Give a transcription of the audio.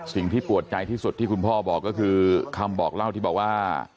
สิ่งที่ปวดใจที่สุดที่คุณพ่อบอกก็คือคำบอกเล่าที่บอกว่า